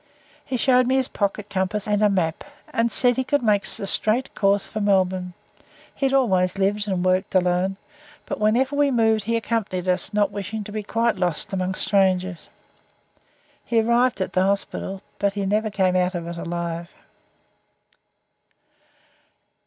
He showed me his pocket compass and a map, and said he could make a straight course for Melbourne. He had always lived and worked alone, but whenever we moved he accompanied us not wishing to be quite lost amongst strangers. He arrived at the hospital, but he never came out of it alive.